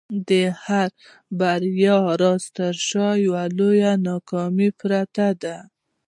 د هري بریا راز تر شا یوه لویه ناکامي پرته ده.